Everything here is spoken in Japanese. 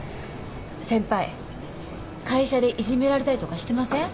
先輩会社でいじめられたりとかしてません？